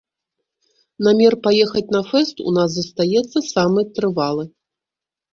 Намер паехаць на фэст у нас застаецца самы трывалы.